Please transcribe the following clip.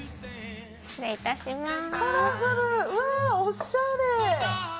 失礼いたします。